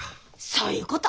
そういうこと。